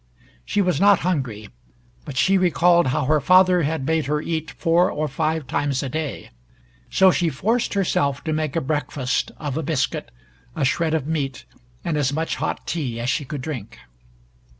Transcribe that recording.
She was not hungry, but she recalled how her father had made her eat four or five times a day, so she forced herself to make a breakfast of a biscuit, a shred of meat and as much hot tea as she could drink.